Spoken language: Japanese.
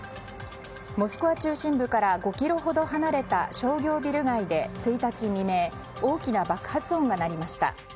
モスクワ中心部から５ｋｍほど離れた商業ビル街で１日未明大きな爆発音が鳴りました。